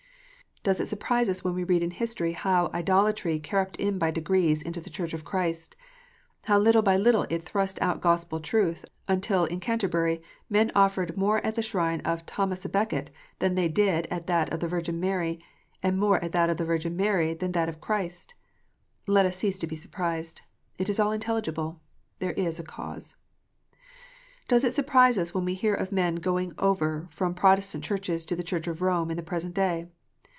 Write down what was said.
Does it surprise us when we read in history how idolatry crept in by degrees into the Church of Christ, how little by little it thrust out Gospel truth, until, in Canterbury, men offered more at the shrine of Thomas a Becket than they did at that of the Virgin Mary, and more at that of the Virgin Mary than at that of Christ 1 ? Let us cease to be surprised. It is all intelligible. There is a cause. Does it surprise us when we hear of men going over from Protestant Churches to the Church of Rome, in the present day